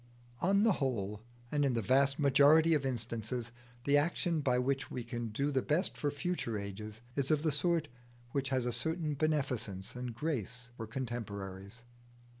On the whole, and in the vast majority of instances, the action by which we can do the best for future ages is of the sort which has a certain beneficence and grace for contemporaries.